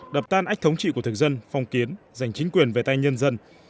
đập tan ách thống trị của thực dân phong kiến giành chính quyền về tay nhân dân